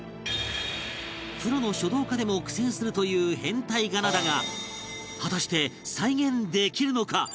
プロの書道家でも苦戦するという変体仮名だが果たして再現できるのか？